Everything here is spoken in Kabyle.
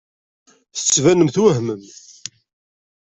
Tettbanem twehmem.